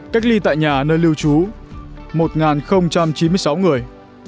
cách ly tại nhà nơi lưu trú một chín mươi sáu người